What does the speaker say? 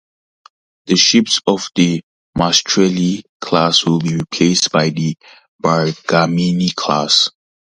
The ships of the "Maestrale" class will be replaced by the "Bergamini" class.